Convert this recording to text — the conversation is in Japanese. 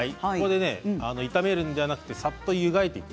炒めるんじゃなくてさっと湯がいて。